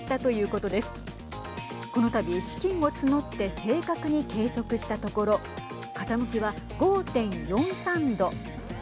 このたび、資金を募って正確に計測したところ傾きは５．４３度。